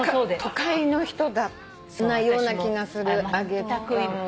都会の人なような気がする揚げパンは。